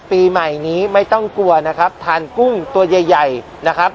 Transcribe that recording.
ปีใหม่นี้ไม่ต้องกลัวนะครับทานกุ้งตัวใหญ่ใหญ่นะครับ